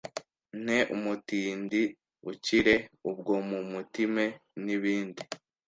nte mutindi ukire ubwo mu mutime, n’ibindi